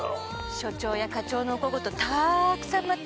署長や課長のお小言たーくさん待ってるわよ。